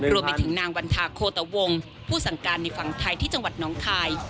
รวมไปถึงนางวันทาโคตวงผู้สั่งการในฝั่งไทยที่จังหวัดน้องคาย